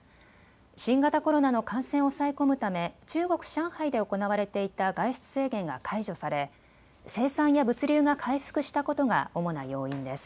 新型コロナの感染を抑え込むため中国・上海で行われていた外出制限が解除され生産や物流が回復したことが主な要因です。